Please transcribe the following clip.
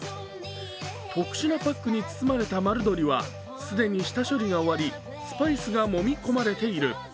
特殊なパックに包まれた丸鶏は既に下処理が終わり、スパイスがもみ込まれている。